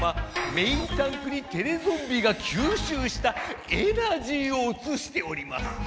メインタンクにテレゾンビがきゅうしゅうしたエナジーをうつしております。